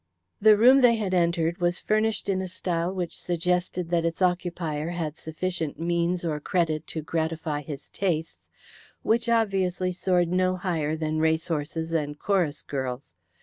The room they had entered was furnished in a style which suggested that its occupier had sufficient means or credit to gratify his tastes, which obviously soared no higher than racehorses and chorus girls.